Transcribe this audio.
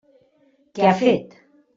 Què ha fet?